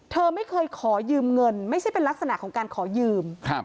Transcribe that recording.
เธอไม่เคยขอยืมเงินไม่ใช่เป็นลักษณะของการขอยืม